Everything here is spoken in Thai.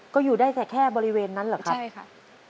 ก็อยู่ได้แค่บริเวณนั้นเหรอครับใช่ค่ะ